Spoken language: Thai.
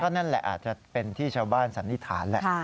นั่นแหละอาจจะเป็นที่ชาวบ้านสันนิษฐานแหละ